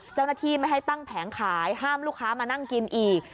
เจ้าหน้าที่ไม่ให้ตั้งแผงขายห้ามลูกค้ามานั่งกินอีก